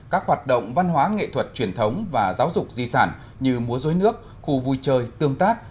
các hoạt động văn hóa nghệ thuật truyền thống và giáo dục di sản như múa dối nước khu vui chơi tương tác